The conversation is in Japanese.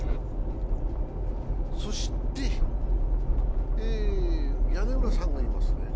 そして屋根裏さんがいますね。